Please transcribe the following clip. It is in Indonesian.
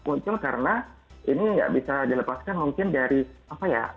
muncul karena ini nggak bisa dilepaskan mungkin dari apa ya